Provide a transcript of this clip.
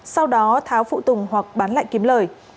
sau đó tháo phụ tùng hoặc bán lại kiếm lời